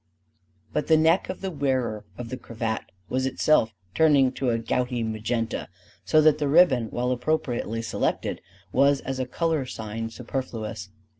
But the neck of the wearer of the cravat was itself turning to a gouty magenta; so that the ribbon, while appropriately selected, was as a color sign superfluous.